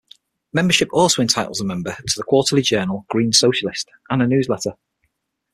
Membership also entitles the member to the quarterly journal "Green Socialist" and a newsletter.